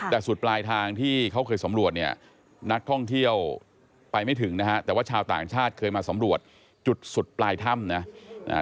แต่สุดปลายทางที่เขาเคยสำรวจเนี่ยนักท่องเที่ยวไปไม่ถึงนะฮะแต่ว่าชาวต่างชาติเคยมาสำรวจจุดสุดปลายถ้ำนะ